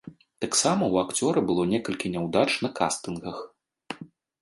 Таксама ў акцёра было некалькі няўдач на кастынгах.